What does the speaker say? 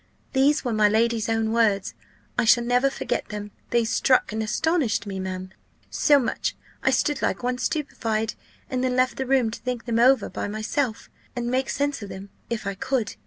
These were my lady's own words I shall never forget them: they struck and astonished me, ma'am, so much, I stood like one stupified, and then left the room to think them over again by myself, and make sense of them, if I could.